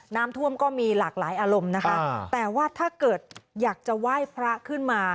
น้ำท่วมก็มีหลากหลายอารมณ์นะคะแต่ว่าถ้าเกิดอยากจะไหว้พระขึ้นมา